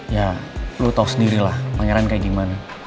ya lo tau sendiri lah pangeran kayak gimana